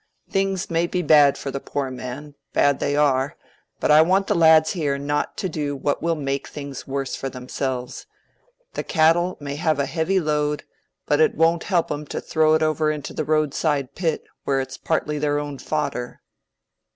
Things may be bad for the poor man—bad they are; but I want the lads here not to do what will make things worse for themselves. The cattle may have a heavy load, but it won't help 'em to throw it over into the roadside pit, when it's partly their own fodder."